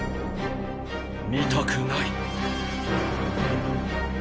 見たくない